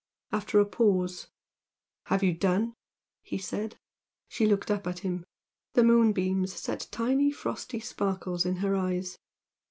After a pause "Have you done?" he said. She looked up at him. The moonbeams set tiny frosty sparkles in her eyes.